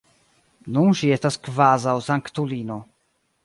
Nun ŝi estas kvazaŭ sanktulino.